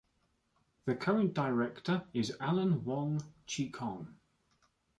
The current director is Alan Wong Chi-kong.